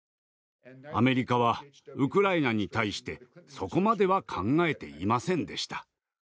アメリカはウクライナに対してそこまでは考えていませんでした。